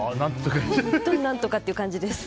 本当に何とかという感じです。